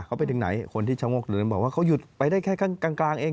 เขาไปถึงไหนคนที่ชะโงกหรือบอกว่าเขาหยุดไปได้แค่ข้างกลางเอง